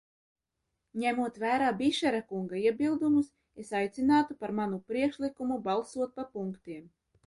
Ņemot vērā Bišera kunga iebildumus, es aicinātu par manu priekšlikumu balsot pa punktiem.